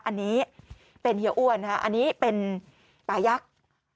อันนี้เป็นเฮียอ้วนนะคะอันนี้เป็นป่ายักษ์